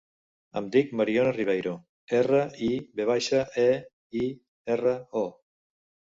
Em dic Mariona Riveiro: erra, i, ve baixa, e, i, erra, o.